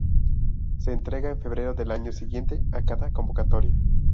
Se entrega en febrero del año siguiente a cada convocatoria.